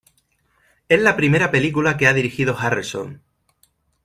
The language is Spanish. Es la primera película que ha dirigido Harrelson.